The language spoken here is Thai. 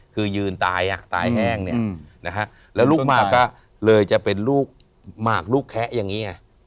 คือยืนตายอ่ะตายแห้งเนี่ยนะฮะแล้วลูกมากก็เลยจะเป็นลูกหมากลูกแคะอย่างนี้ไง